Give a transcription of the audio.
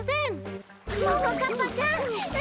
ももかっぱちゃん！